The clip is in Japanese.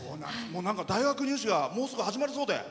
大学入試がもうすぐ始まるそうで。